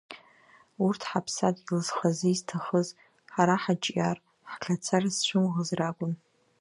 Урҭ ҳаԥсадгьыл зхазы изҭахыз, ҳара ҳаҿиар, ҳӷьацар зцәымӷыз ракәын.